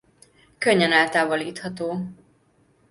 Könnyen eltávolítható.